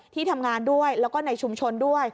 ที่ทำงานด้วยแล้วก็ในชุมชนด้วย